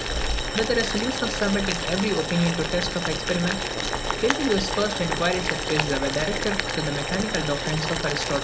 With the resolution of submitting every opinion to the test of experiment, Galileo's first inquiries at Pisa were directed to the mechanical doctrines of Aristotle.